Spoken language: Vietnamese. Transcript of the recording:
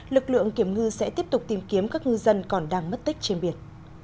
lực lượng kiểm ngư sẽ tiếp tục tìm kiếm các ngư dân còn đang mất tích trên biển